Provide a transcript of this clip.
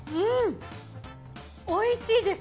おいしいです。